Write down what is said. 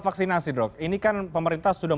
vaksinasi dok ini kan pemerintah sudah